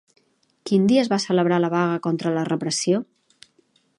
Quin dia es va celebrar la vaga contra la repressió?